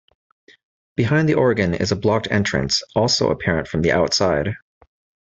Behind the organ is a blocked entrance, also apparent from the outside.